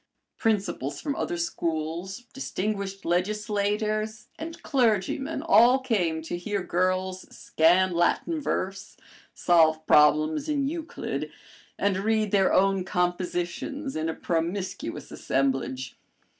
Principals from other schools, distinguished legislators, and clergymen all came to hear girls scan Latin verse, solve problems in Euclid, and read their own compositions in a promiscuous assemblage.